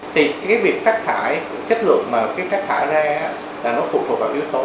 thì cái việc phát thải chất lượng mà cái rác thải ra là nó phụ thuộc vào yếu tố